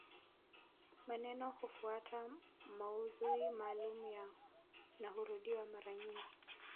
Maneno hufuata maudhui maalumu na hurudiwa mara nyingi